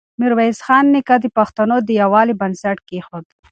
ميرويس خان نیکه د پښتنو د يووالي بنسټ کېښود.